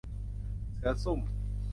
เสือซุ่ม